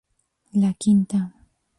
La quinta.